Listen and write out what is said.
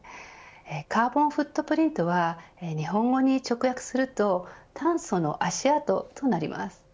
カーボンフットプリントは日本語に直訳すると炭素の足跡となります。